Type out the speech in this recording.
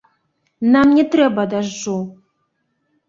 Нам не трэба дажджу!